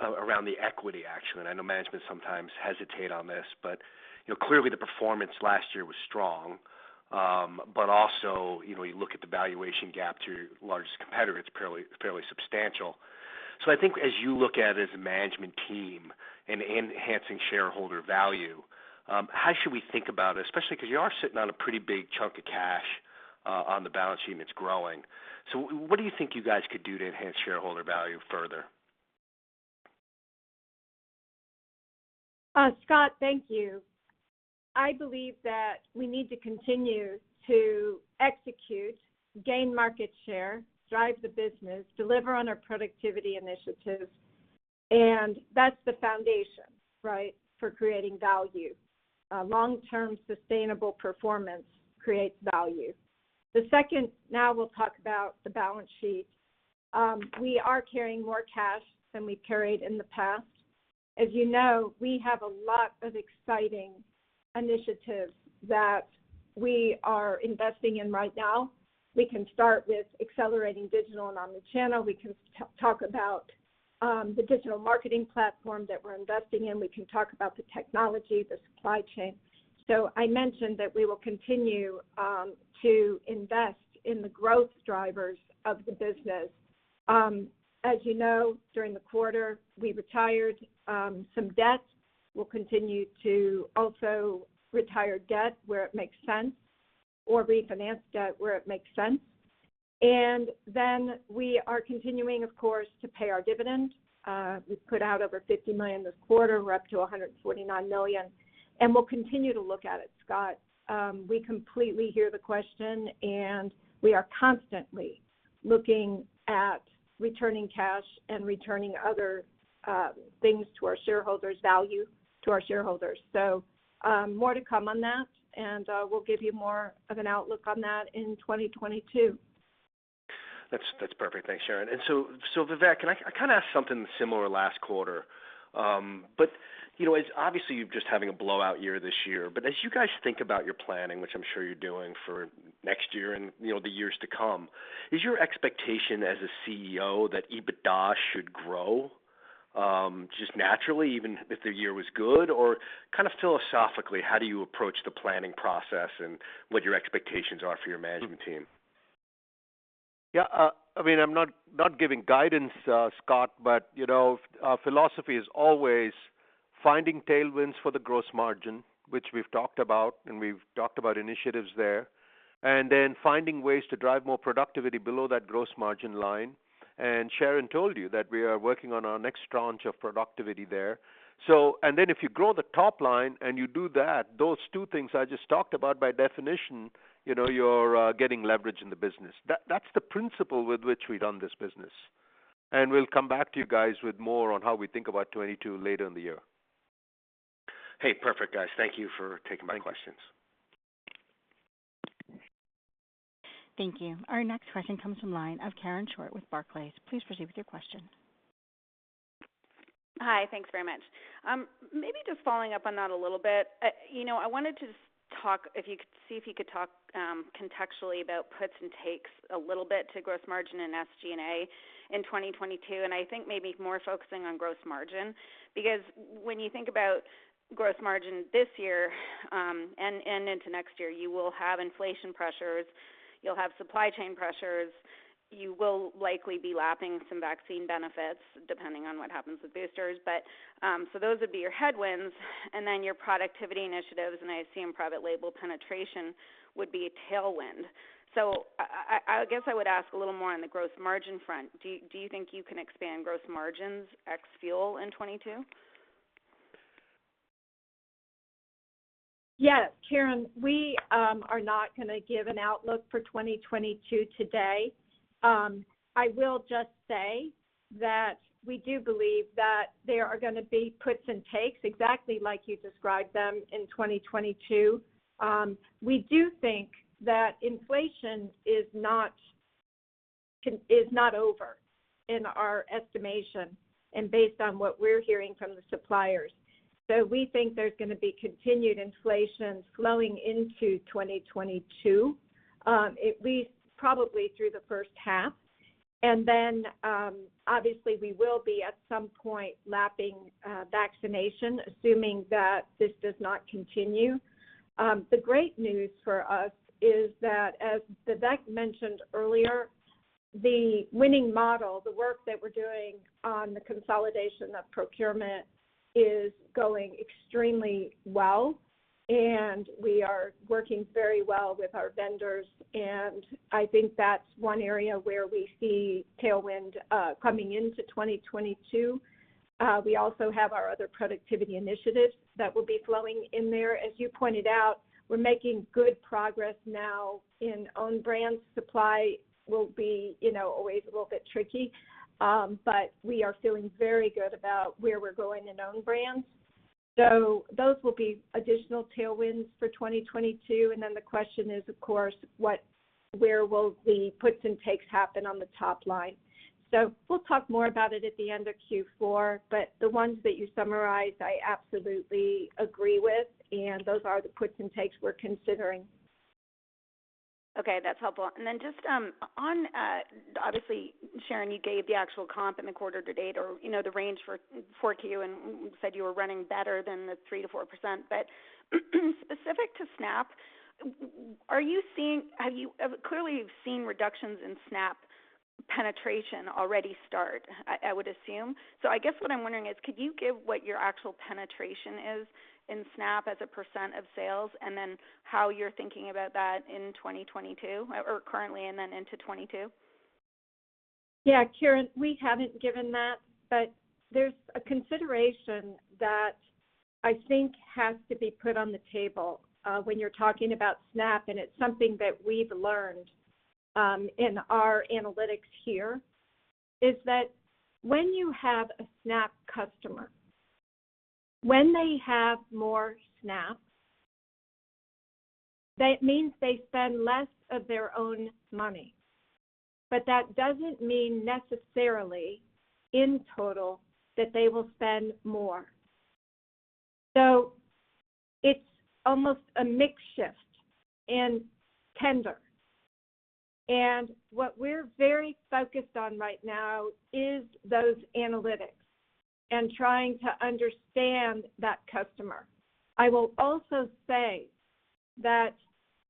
the equity action. I know management sometimes hesitate on this, but, you know, clearly the performance last year was strong. But also, you know, you look at the valuation gap to your largest competitor, it's fairly substantial. I think as you look at it as a management team and enhancing shareholder value, how should we think about it? Especially because you are sitting on a pretty big chunk of cash on the balance sheet, and it's growing. What do you think you guys could do to enhance shareholder value further? Scott, thank you. I believe that we need to continue to execute, gain market share, drive the business, deliver on our productivity initiatives, and that's the foundation, right, for creating value. Long-term sustainable performance creates value. The second, now we'll talk about the balance sheet. We are carrying more cash than we carried in the past. As you know, we have a lot of exciting initiatives that we are investing in right now. We can start with accelerating digital and omnichannel. We can talk about the digital marketing platform that we're investing in. We can talk about the technology, the supply chain. I mentioned that we will continue to invest in the growth drivers of the business. As you know, during the quarter, we retired some debt. We'll continue to also retire debt where it makes sense or refinance debt where it makes sense. We are continuing, of course, to pay our dividend. We've put out over $50 million this quarter. We're up to $149 million, and we'll continue to look at it, Scott. We completely hear the question, and we are constantly looking at returning cash and returning other things to our shareholders' value to our shareholders. More to come on that, and we'll give you more of an outlook on that in 2022. That's perfect. Thanks, Sharon. Vivek, and I kinda asked something similar last quarter. You know, it's obviously you're just having a blowout year this year, but as you guys think about your planning, which I'm sure you're doing for next year and, you know, the years to come, is your expectation as a CEO that EBITDA should grow just naturally, even if the year was good? Kind of philosophically, how do you approach the planning process and what your expectations are for your management team? Yeah. I mean, I'm not giving guidance, Scott, but you know, our philosophy is always finding tailwinds for the gross margin, which we've talked about, and we've talked about initiatives there. Then finding ways to drive more productivity below that gross margin line. Sharon told you that we are working on our next tranche of productivity there. Then if you grow the top line and you do that, those two things I just talked about, by definition, you know, you're getting leverage in the business. That's the principle with which we run this business. We'll come back to you guys with more on how we think about 2022 later in the year. Hey, perfect guys. Thank you for taking my questions. Thank you. Our next question comes from the line of Karen Short with Barclays. Please proceed with your question. Hi. Thanks very much. Maybe just following up on that a little bit. You know, I wanted to see if you could talk contextually about puts and takes a little bit to gross margin and SG&A in 2022, and I think maybe more focusing on gross margin. Because when you think about gross margin this year, and into next year, you will have inflation pressures, you'll have supply chain pressures, you will likely be lapping some vaccine benefits depending on what happens with boosters. Those would be your headwinds and then your productivity initiatives, and I assume private label penetration would be a tailwind. I guess I would ask a little more on the gross margin front. Do you think you can expand gross margins ex fuel in 2022? Yes, Karen. We are not gonna give an outlook for 2022 today. I will just say that we do believe that there are gonna be puts and takes exactly like you described them in 2022. We do think that inflation is not over in our estimation and based on what we're hearing from the suppliers. We think there's gonna be continued inflation flowing into 2022, at least probably through the first half. Obviously, we will be at some point lapping vaccination, assuming that this does not continue. The great news for us is that, as Vivek mentioned earlier, the winning model, the work that we're doing on the consolidation of procurement is going extremely well, and we are working very well with our vendors. I think that's one area where we see tailwind coming into 2022. We also have our other productivity initiatives that will be flowing in there. As you pointed out, we're making good progress now in own brands. Supply will be, you know, always a little bit tricky. But we are feeling very good about where we're going in own brands. Those will be additional tailwinds for 2022. The question is, of course, what. Where will the puts and takes happen on the top line. We'll talk more about it at the end of Q4. The ones that you summarized, I absolutely agree with, and those are the puts and takes we're considering. Okay, that's helpful. Just on obviously Sharon you gave the actual comp in the quarter to date or the range for Q and you said you were running better than the 3% to 4%. Specific to SNAP clearly you've seen reductions in SNAP penetration already start I would assume. I guess what I'm wondering is could you give what your actual penetration is in SNAP as a % of sales and then how you're thinking about that in 2022 or currently and then into 2022? Yeah, Karen, we haven't given that, but there's a consideration that I think has to be put on the table, when you're talking about SNAP, and it's something that we've learned, in our analytics here, is that when you have a SNAP customer, when they have more SNAP, that means they spend less of their own money. But that doesn't mean necessarily in total that they will spend more. So it's almost a mix shift in tender. And what we're very focused on right now is those analytics and trying to understand that customer. I will also say that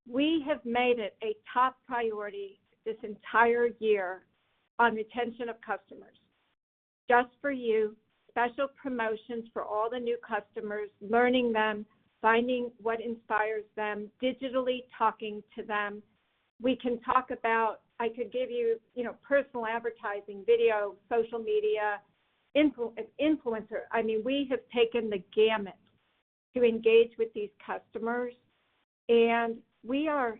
we have made it a top priority this entire year on retention of customers. just for U, special promotions for all the new customers, learning them, finding what inspires them, digitally talking to them. We can talk about. I could give you know, personal advertising, video, social media, influencer. I mean, we have run the gamut to engage with these customers, and we are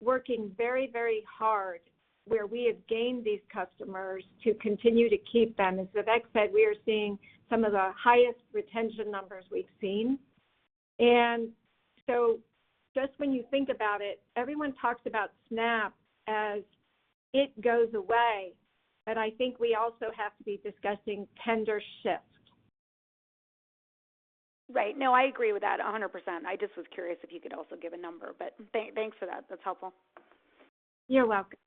working very, very hard where we have gained these customers to continue to keep them. As Vivek said, we are seeing some of the highest retention numbers we've seen. Just when you think about it, everyone talks about SNAP as it goes away, and I think we also have to be discussing tender shift. Right. No, I agree with that 100%. I just was curious if you could also give a number. But thanks for that. That's helpful. You're welcome.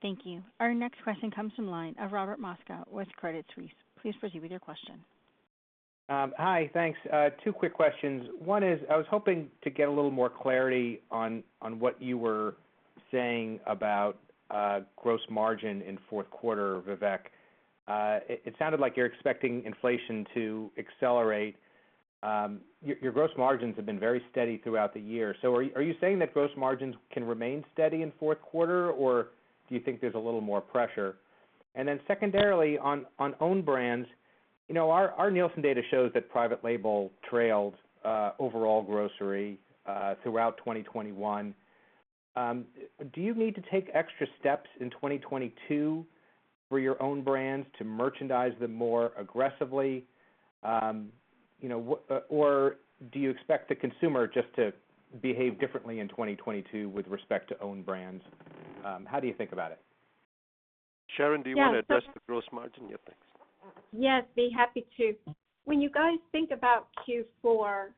Thank you. Our next question comes from the line of Robert Moskow with Credit Suisse. Please proceed with your question. Hi. Thanks. Two quick questions. One is I was hoping to get a little more clarity on what you were saying about gross margin in Q4, Vivek. It sounded like you're expecting inflation to accelerate. Your gross margins have been very steady throughout the year. Are you saying that gross margins can remain steady in Q4, or do you think there's a little more pressure? Secondarily, on own brands, you know, our Nielsen data shows that private label trailed overall grocery throughout 2021. Do you need to take extra steps in 2022 for your own brands to merchandise them more aggressively? You know, or do you expect the consumer just to behave differently in 2022 with respect to own brands? How do you think about it? Yeah.so Sharon, do you wanna address the gross margin? Yeah, thanks. Yes, be happy to. When you guys think about Q4,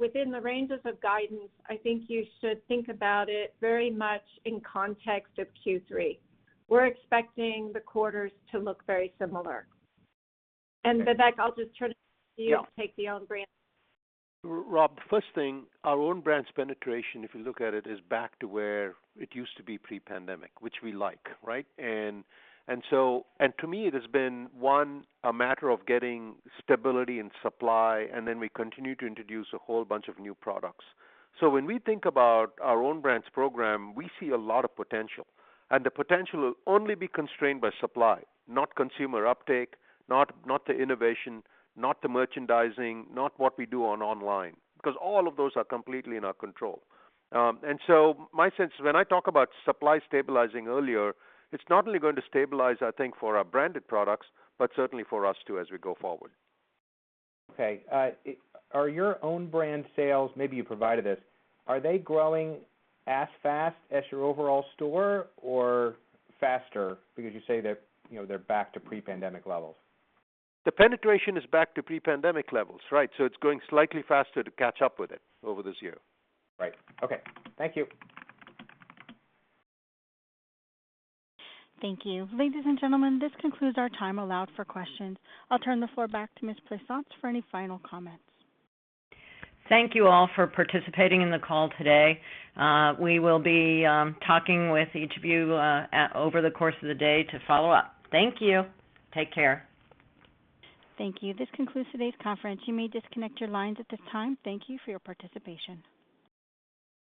within the ranges of guidance, I think you should think about it very much in context of Q3. We're expecting the quarters to look very similar. Vivek, I'll just turn it to you to take the own brand. Rob, first thing, our own brand's penetration, if you look at it, is back to where it used to be pre-pandemic, which we like, right? To me, it has been one, a matter of getting stability and supply, and then we continue to introduce a whole bunch of new products. When we think about our own brands program, we see a lot of potential. The potential will only be constrained by supply, not consumer uptake, not the innovation, not the merchandising, not what we do on online, because all of those are completely in our control. My sense when I talk about supply stabilizing earlier, it's not only going to stabilize, I think, for our branded products, but certainly for us too as we go forward. Okay. Are your own brand sales, maybe you provided this, are they growing as fast as your overall store or faster? Because you say they're, you know, they're back to pre-pandemic levels. The penetration is back to pre-pandemic levels, right. It's growing slightly faster to catch up with it over this year. Right. Okay. Thank you. Thank you. Ladies and gentlemen, this concludes our time allowed for questions. I'll turn the floor back to Ms. Plaisance for any final comments. Thank you all for participating in the call today. We will be talking with each of you over the course of the day to follow up. Thank you. Take care. Thank you. This concludes today's conference. You may disconnect your lines at this time. Thank you for your participation.